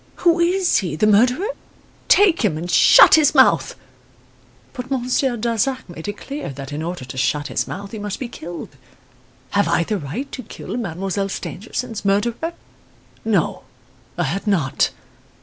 Who is he the murderer? Take him and shut his mouth. But Monsieur Darzac made it clear that in order to shut his mouth he must be killed. Have I the right to kill Mademoiselle Stangerson's murderer? No, I had not.